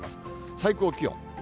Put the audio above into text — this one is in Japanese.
最高気温。